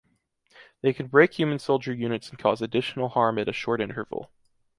They can break human soldier units and cause additional harm at a short interval.